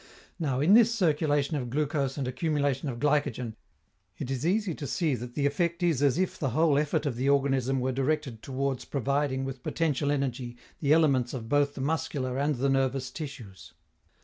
Now, in this circulation of glucose and accumulation of glycogen, it is easy to see that the effect is as if the whole effort of the organism were directed towards providing with potential energy the elements of both the muscular and the nervous tissues.